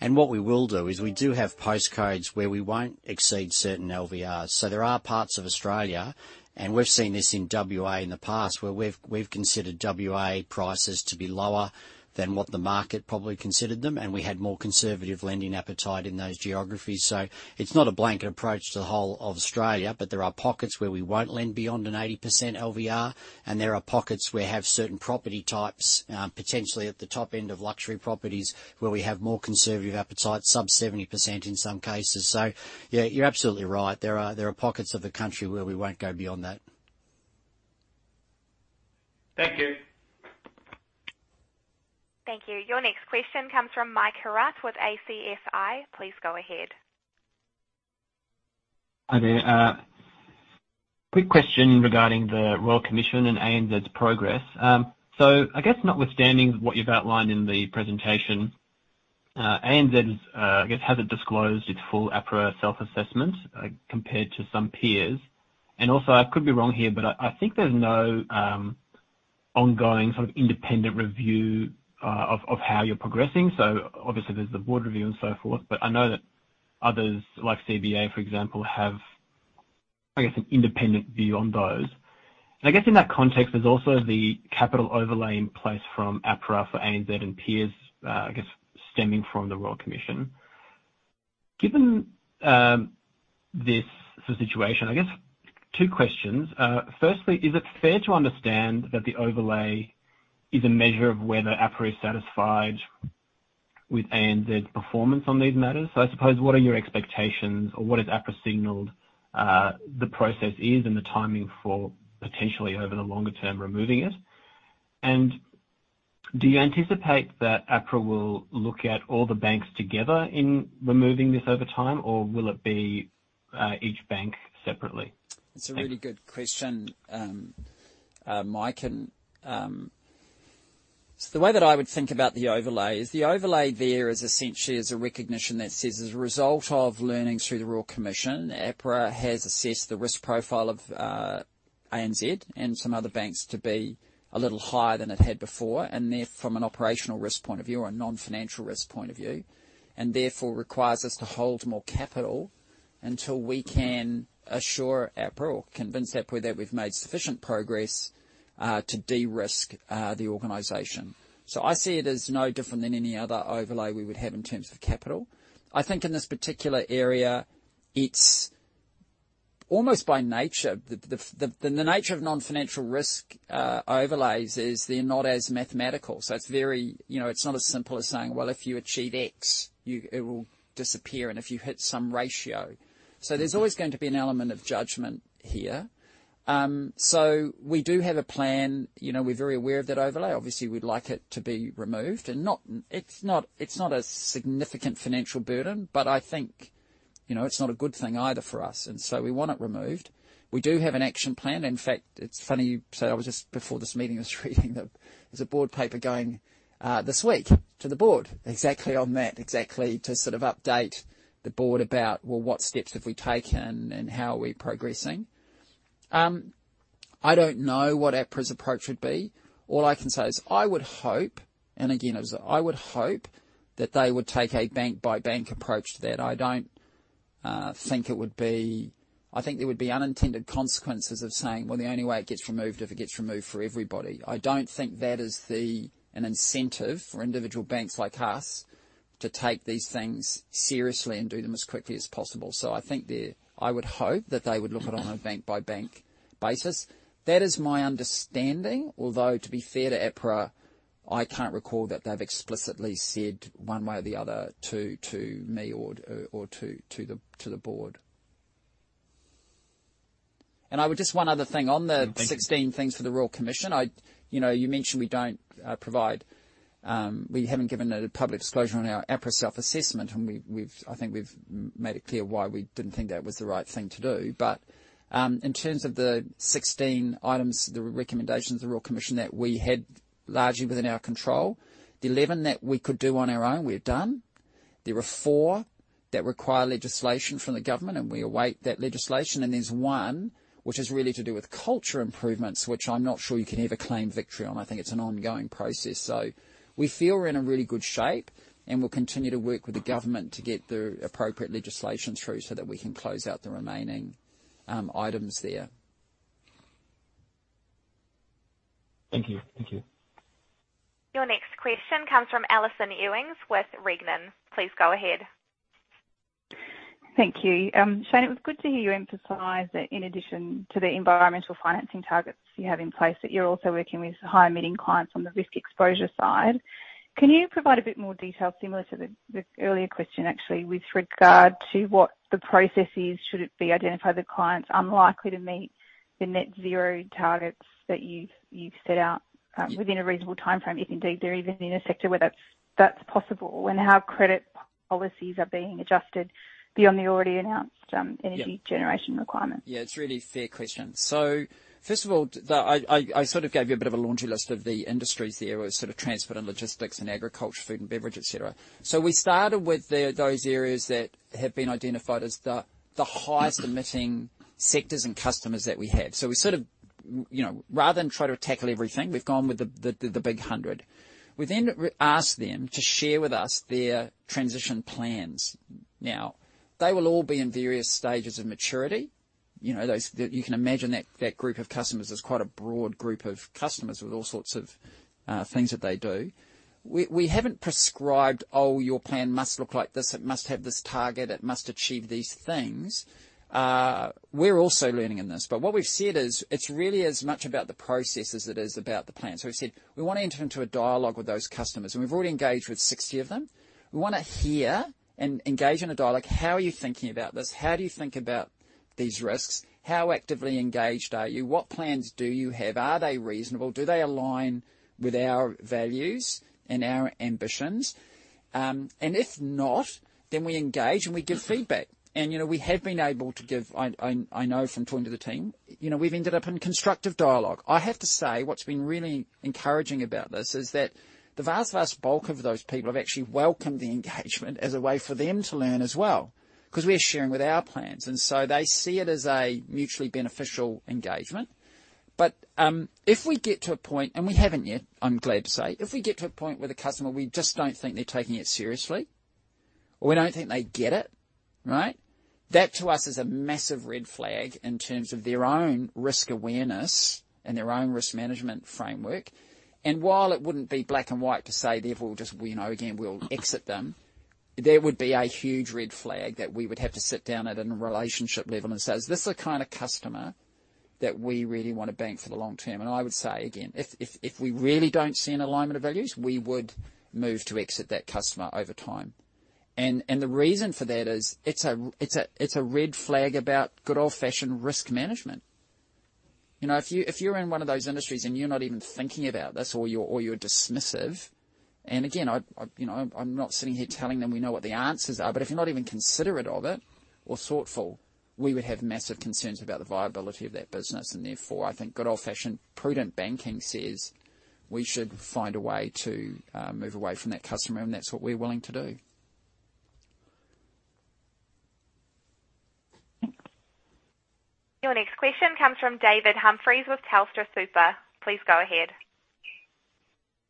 And what we will do is we do have postcodes where we won't exceed certain LVRs. So there are parts of Australia, and we've seen this in WA in the past, where we've considered WA prices to be lower than what the market probably considered them. And we had more conservative lending appetite in those geographies. So it's not a blanket approach to the whole of Australia. But there are pockets where we won't lend beyond an 80% LVR. And there are pockets where we have certain property types, potentially at the top end of luxury properties, where we have more conservative appetite, sub-70% in some cases. So yeah, you're absolutely right. There are pockets of the country where we won't go beyond that. Thank you. Thank you. Your next question comes from Mike Heraut with ACSI. Please go ahead. Hi there. Quick question regarding the Royal Commission and ANZ's progress. So I guess notwithstanding what you've outlined in the presentation, ANZ, I guess, hasn't disclosed its full APRA self-assessment compared to some peers. And also, I could be wrong here, but I think there's no ongoing sort of independent review of how you're progressing. So obviously, there's the board review and so forth. But I know that others, like CBA, for example, have, I guess, an independent view on those. And I guess in that context, there's also the capital overlay in place from APRA for ANZ and peers, I guess, stemming from the Royal Commission. Given this situation, I guess two questions. Firstly, is it fair to understand that the overlay is a measure of whether APRA is satisfied with ANZ's performance on these matters? So I suppose, what are your expectations, or what has APRA signaled the process is and the timing for potentially, over the longer-term, removing it? And do you anticipate that APRA will look at all the banks together in removing this over time, or will it be each bank separately? That's a really good question, Mike. The way that I would think about the overlay is the overlay there is essentially a recognition that says, as a result of learnings through the Royal Commission, APRA has assessed the risk profile of ANZ and some other banks to be a little higher than it had before, and therefore, from an operational risk point of view or a non-financial risk point of view, and therefore requires us to hold more capital until we can assure APRA or convince APRA that we've made sufficient progress to de-risk the organization. So I see it as no different than any other overlay we would have in terms of capital. I think in this particular area, it's almost by nature the nature of non-financial risk overlays is they're not as mathematical. It's not as simple as saying, "Well, if you achieve X, it will disappear, and if you hit some ratio." There's always going to be an element of judgement here. We do have a plan. We're very aware of that overlay. Obviously, we'd like it to be removed. It's not a significant financial burden, but I think it's not a good thing either for us. We want it removed. We do have an action plan. In fact, it's funny you say. Before this meeting, I was reading there's a board paper going this week to the board exactly on that, exactly to sort of update the board about, well, what steps have we taken and how are we progressing. I don't know what APRA's approach would be. All I can say is I would hope, and again, I would hope, that they would take a bank-by-bank approach to that. I don't think it would be. I think there would be unintended consequences of saying, "Well, the only way it gets removed is if it gets removed for everybody." I don't think that is an incentive for individual banks like us to take these things seriously and do them as quickly as possible. So I think I would hope that they would look at it on a bank-by-bank basis. That is my understanding. Although, to be fair to APRA, I can't recall that they've explicitly said one way or the other to me or to the board. And just one other thing. On the 16 things for the Royal Commission, you mentioned we haven't given a public disclosure on our APRA self-assessment. I think we've made it clear why we didn't think that was the right thing to do. But in terms of the 16 items, the recommendations of the Royal Commission that we had largely within our control, the 11 that we could do on our own, we've done. There were four that require legislation from the government, and we await that legislation. And there's one which is really to do with culture improvements, which I'm not sure you can ever claim victory on. I think it's an ongoing process. So we feel we're in a really good shape, and we'll continue to work with the government to get the appropriate legislation through so that we can close out the remaining items there. Thank you. Thank you. Your next question comes from Alison Ewings with Regnan. Please go ahead. Thank you. Shayne, it was good to hear you emphasize that in addition to the environmental financing targets you have in place, that you're also working with higher-emitting clients on the risk exposure side. Can you provide a bit more detail, similar to the earlier question, actually, with regard to what the process is? Should it be identified that clients are unlikely to meet the net-zero targets that you've set out within a reasonable timeframe, if indeed they're even in a sector where that's possible, and how credit policies are being adjusted beyond the already announced energy generation requirement? Yeah. It's a really fair question. So first of all, I sort of gave you a bit of a laundry list of the industries there: it was sort of transport and logistics and agriculture, food and beverage, etc. We started with those areas that have been identified as the highest-emitting sectors and customers that we have. We sort of, rather than try to tackle everything, we've gone with the big 100. We then asked them to share with us their transition plans. Now, they will all be in various stages of maturity. You can imagine that group of customers is quite a broad group of customers with all sorts of things that they do. We haven't prescribed, "Oh, your plan must look like this. It must have this target. It must achieve these things." We're also learning in this. What we've said is it's really as much about the process as it is about the plan. We've said, "We want to enter into a dialogue with those customers." We've already engaged with 60 of them. We want to hear and engage in a dialogue: how are you thinking about this? How do you think about these risks? How actively engaged are you? What plans do you have? Are they reasonable? Do they align with our values and our ambitions? And if not, then we engage and we give feedback. And we have been able to give. I know from talking to the team. We've ended up in constructive dialogue. I have to say what's been really encouraging about this is that the vast, vast bulk of those people have actually welcomed the engagement as a way for them to learn as well because we're sharing with our plans. And so they see it as a mutually beneficial engagement. But if we get to a point, and we haven't yet, I'm glad to say, if we get to a point with a customer where we just don't think they're taking it seriously or we don't think they get it, right, that to us is a massive red flag in terms of their own risk awareness and their own risk management framework. And while it wouldn't be black and white to say, "Therefore, again, we'll exit them," there would be a huge red flag that we would have to sit down at a relationship level and say, "Is this the kind of customer that we really want to bank for the long-term?" And I would say, again, if we really don't see an alignment of values, we would move to exit that customer over time. And the reason for that is it's a red flag about good old-fashioned risk management. If you're in one of those industries and you're not even thinking about this or you're dismissive, and again, I'm not sitting here telling them we know what the answers are, but if you're not even considerate of it or thoughtful, we would have massive concerns about the viability of that business. And therefore, I think good old-fashioned prudent banking says we should find a way to move away from that customer, and that's what we're willing to do. Your next question comes from David Humphreys with TelstraSuper. Please go ahead.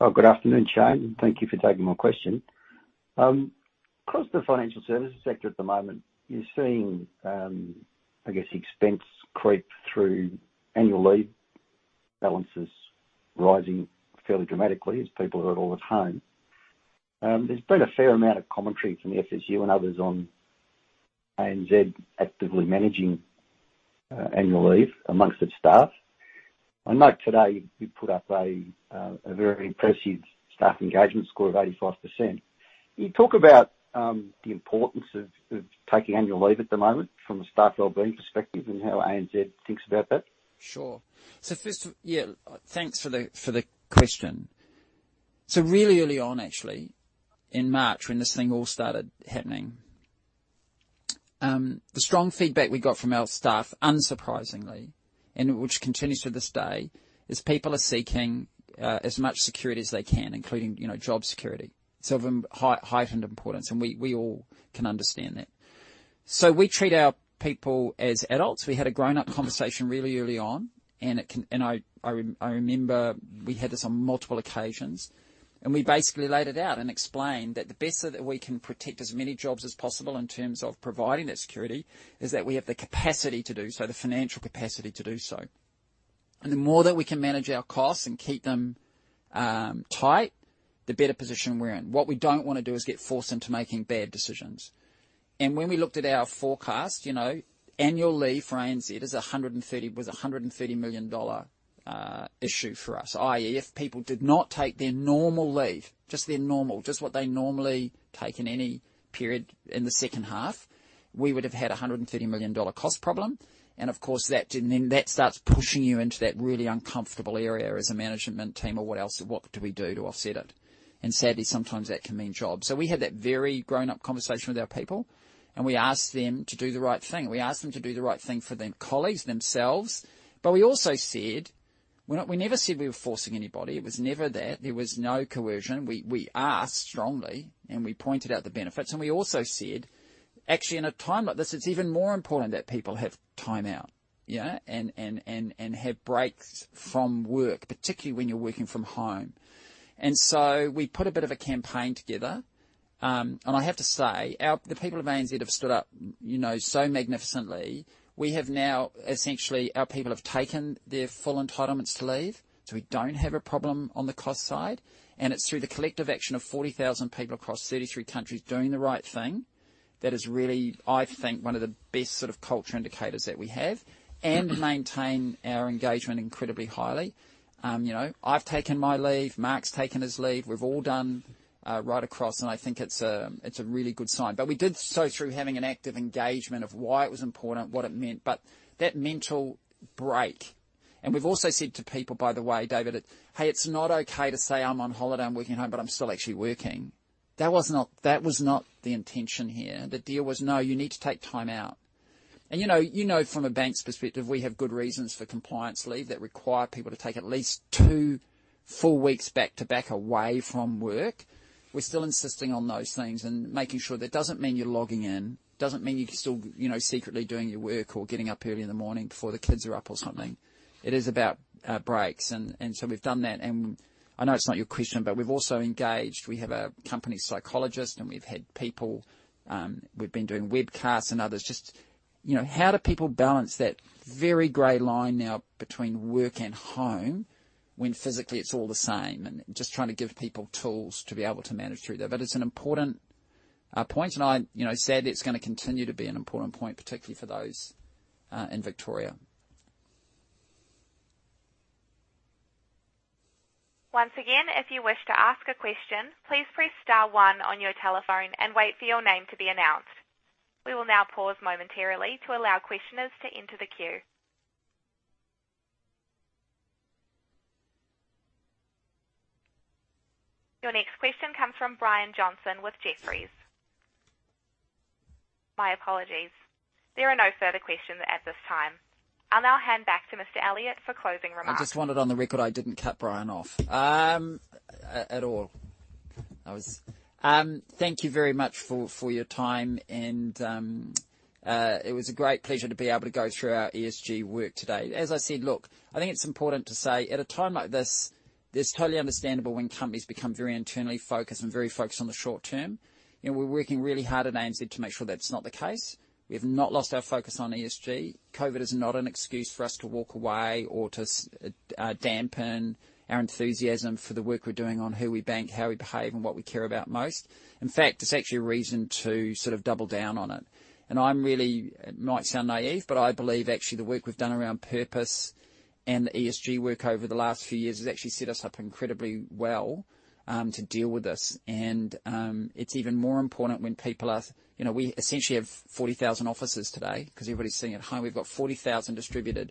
Oh, good afternoon, Shayne. Thank you for taking my question. Across the financial services sector at the moment, you're seeing, I guess, expense creep through annual leave balances rising fairly dramatically as people are all at home. There's been a fair amount of commentary from the FSU and others on ANZ actively managing annual leave amongst its staff. I know today you put up a very impressive staff engagement score of 85%. Can you talk about the importance of taking annual leave at the moment from a staff wellbeing perspective and how ANZ thinks about that? Sure. So first of all, yeah, thanks for the question. So really early on, actually, in March, when this thing all started happening, the strong feedback we got from our staff, unsurprisingly, and which continues to this day, is people are seeking as much security as they can, including job security. It's of heightened importance, and we all can understand that. So we treat our people as adults. We had a grown-up conversation really early on, and I remember we had this on multiple occasions. We basically laid it out and explained that the best that we can protect as many jobs as possible in terms of providing that security is that we have the capacity to do so, the financial capacity to do so. And the more that we can manage our costs and keep them tight, the better position we're in. What we don't want to do is get forced into making bad decisions. And when we looked at our forecast, annual leave for ANZ was a 130 million dollar issue for us, i.e., if people did not take their normal leave, just their normal, just what they normally take in any period in the second half, we would have had a 130 million dollar cost problem. And of course, that starts pushing you into that really uncomfortable area as a management team or what do we do to offset it? Sadly, sometimes that can mean jobs. We had that very grown-up conversation with our people, and we asked them to do the right thing. We asked them to do the right thing for their colleagues themselves. We also said we never said we were forcing anybody. It was never that. There was no coercion. We asked strongly, and we pointed out the benefits. We also said, actually, in a time like this, it's even more important that people have time out and have breaks from work, particularly when you're working from home. So we put a bit of a campaign together. I have to say, the people of ANZ have stood up so magnificently. We have now, essentially, our people have taken their full entitlements to leave, so we don't have a problem on the cost side. It's through the collective action of 40,000 people across 33 countries doing the right thing that is really, I think, one of the best sort of culture indicators that we have and maintain our engagement incredibly highly. I've taken my leave. Mark's taken his leave. We've all done right across, and I think it's a really good sign. But we did so through having an active engagement of why it was important, what it meant. But that mental break, and we've also said to people, by the way, David, "Hey, it's not okay to say, 'I'm on holiday. I'm working at home, but I'm still actually working.'" That was not the intention here. The deal was, "No, you need to take time out." And you know from a bank's perspective, we have good reasons for compliance leave that require people to take at least two full weeks back to back away from work. We're still insisting on those things and making sure that doesn't mean you're logging in, doesn't mean you're still secretly doing your work or getting up early in the morning before the kids are up or something. It is about breaks. And so we've done that. And I know it's not your question, but we've also engaged. We have a company psychologist, and we've had people. We've been doing webcasts and others. Just how do people balance that very gray line now between work and home when physically it's all the same and just trying to give people tools to be able to manage through that? But it's an important point, and I said it's going to continue to be an important point, particularly for those in Victoria. Once again, if you wish to ask a question, please press Star one on your telephone and wait for your name to be announced. We will now pause momentarily to allow questioners to enter the queue. Your next question comes from Brian Johnson with Jefferies. My apologies. There are no further questions at this time. I'll now hand back to Mr. Elliott for closing remarks. I just wanted on the record I didn't cut Brian off at all. Thank you very much for your time, and it was a great pleasure to be able to go through our ESG work today. As I said, look, I think it's important to say at a time like this, it's totally understandable when companies become very internally focused and very focused on the short-term. And we're working really hard at ANZ to make sure that's not the case. We have not lost our focus on ESG. COVID is not an excuse for us to walk away or to dampen our enthusiasm for the work we're doing on who we bank, how we behave, and what we care about most. In fact, it's actually a reason to sort of double down on it. And it might sound naive, but I believe actually the work we've done around purpose and the ESG work over the last few years has actually set us up incredibly well to deal with this. It's even more important when people essentially have 40,000 offices today because everybody's sitting at home. We've got 40,000 distributed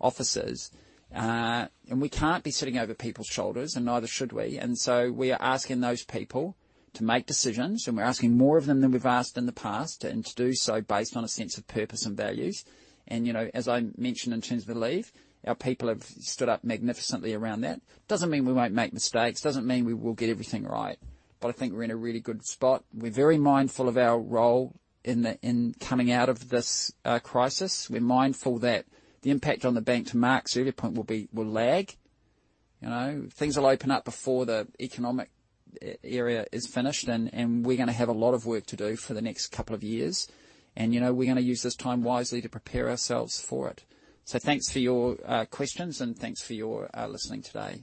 offices. We can't be sitting over people's shoulders, and neither should we. So we are asking those people to make decisions. We're asking more of them than we've asked in the past and to do so based on a sense of purpose and values. As I mentioned in terms of the leave, our people have stood up magnificently around that. It doesn't mean we won't make mistakes. It doesn't mean we will get everything right. But I think we're in a really good spot. We're very mindful of our role in coming out of this crisis. We're mindful that the impact on the bank to Mark's earlier point will lag. Things will open up before the economic area is finished, and we're going to have a lot of work to do for the next couple of years. And we're going to use this time wisely to prepare ourselves for it. So thanks for your questions, and thanks for your listening today.